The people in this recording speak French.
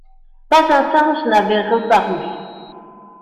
Pas un singe n’avait reparu